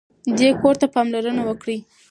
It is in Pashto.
دې کور ته پاملرنه وکړئ.